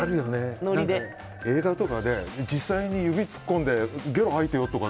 映画とかで実際に指を突っ込んでゲロ吐いてよとか。